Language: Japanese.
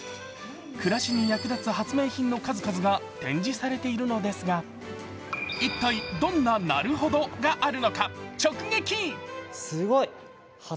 暮らしに役立つ発明品の数々が展示されているのですが一体どんななるほどがあるのか直撃。